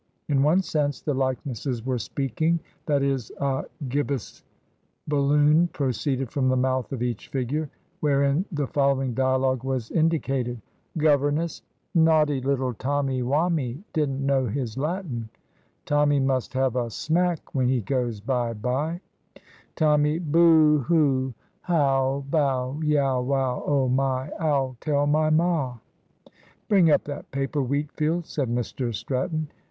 In one sense the likenesses were speaking that is, a gibbous balloon proceeded from the mouth of each figure, wherein the following dialogue was indicated. "Governess. `Naughty little Tommy wommy, didn't know his Latin. Tommy must have a smack when he goes bye bye.' Tommy. `Booh, hoo, how bow, yow, wow, oh my! I'll tell my ma!'" "Bring up that paper, Wheatfield," said Mr Stratton.